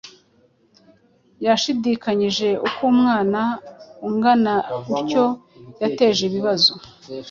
yashidikanyije uko umwana ungana utyo yateje ibibazo.